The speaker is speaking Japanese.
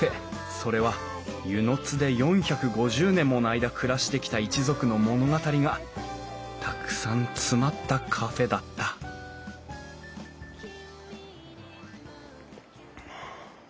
それは温泉津で４５０年もの間暮らしてきた一族の物語がたくさん詰まったカフェだった」はあ。